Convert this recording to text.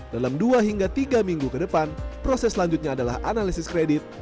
dalam dua hingga tiga minggu ke depan proses selanjutnya adalah analisis kredit